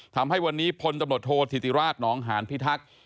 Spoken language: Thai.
ทำให้วันนี้พลตำรวจโทษธิติราชนองหานพิทักษ์